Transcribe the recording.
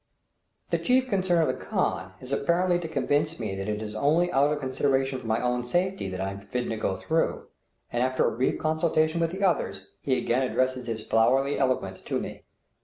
The chief concern of the khan is apparently to convince me that it is only out of consideration for my own safety that I am forbidden to go through, and, after a brief consultation with the others, he again addresses his flowery eloquence to me.